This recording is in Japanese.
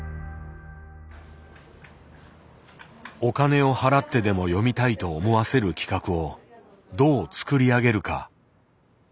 お金を払ってでも読みたいと思わせる企画をどう作り上げるか。